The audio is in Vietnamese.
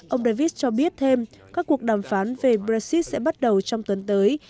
ông davis cho biết thêm các cuộc đàm phán về brexit sẽ bắt đầu trong tuần tới